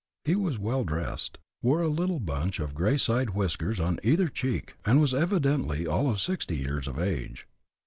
He was well dressed, wore a little bunch of gray side whiskers on either cheek, and was evidently all of sixty years of age.